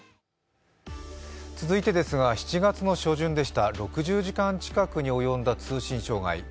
続いてですが、７月の初旬でした、６０時間近くに及んだ通信障害。